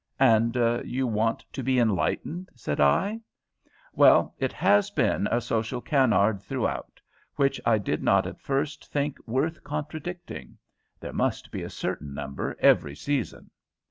"And you want to be enlightened?" said I. "Well, it has been a social canard throughout, which I did not at first think worth contradicting. There must be a certain number every season."